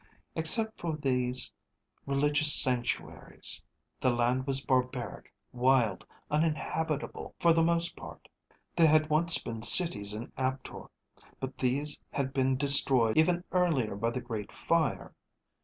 Except for these religious sanctuaries, the land was barbaric, wild, uninhabitable for the most part. There had once been cities in Aptor, but these had been destroyed even earlier by the Great Fire.